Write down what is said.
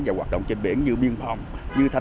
và hoạt động trên biển như biên phòng thanh tra thủy sản